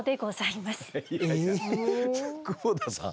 久保田さん